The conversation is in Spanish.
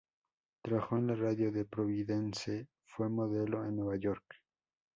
Trabajó en la radio de Providence, fue modelo en Nueva York.